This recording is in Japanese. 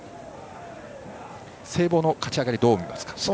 聖望の勝ち上がりどう見ますか。